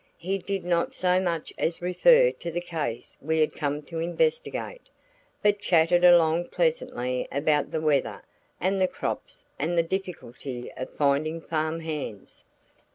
He did not so much as refer to the case we had come to investigate, but chatted along pleasantly about the weather and the crops and the difficulty of finding farm hands.